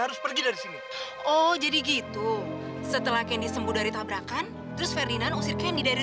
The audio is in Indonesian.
harus pergi dari sini oh jadi gitu setelah kenny sembuh dari tabrakan terus ferdinand usir kendi dari